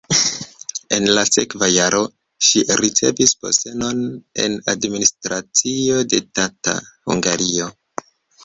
En la sekva jaro ŝi ricevis postenon en administracio de Tata (Hungario).